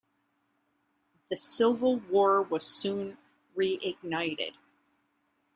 The civil war was soon re-ignited.